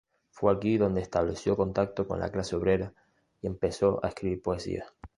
Fue aquí donde estableció contacto con la clase obrera y empezó a escribir poesía.